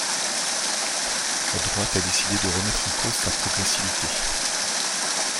La droite a décidé de remettre en cause sa progressivité.